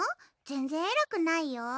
全然えらくないよ